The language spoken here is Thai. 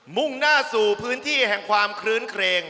มุ่งหน้าสู่พื้นที่แห่งความคลื้นเครง